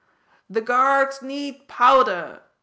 "The Guards need powder!"